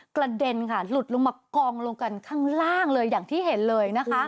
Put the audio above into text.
กระเด็นค่ะหลุดลงมากองลงกันข้างล่างเลยอย่างที่เห็นเลยนะคะ